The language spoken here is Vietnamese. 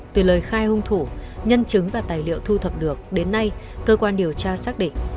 từ lời khai hung thủ nhân chứng và tài liệu thu thập được đến nay cơ quan điều tra xác định